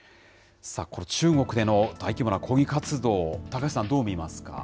中国での大規模な抗議活動、高橋さん、どう見ますか。